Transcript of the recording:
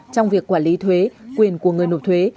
trong việc quản lý thuế quyền của người nộp thuế